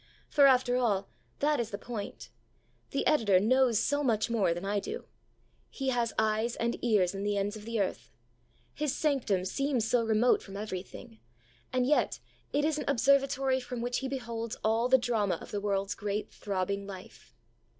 For, after all, that is the point. The Editor knows so much more than I do. He has eyes and ears in the ends of the earth. His sanctum seems so remote from everything, and yet it is an observatory from which He beholds all the drama of the world's great throbbing life.